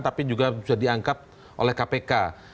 tapi juga bisa diangkat oleh kpk